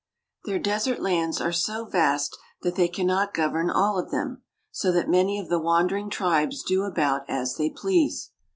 Their desert lands are so vast that they can not govern all of them ; so that many of the wandering tribes do about as they please.